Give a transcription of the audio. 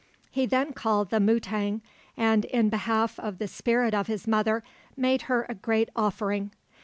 He then called the mutang, and in behalf of the spirit of his mother made her a great offering.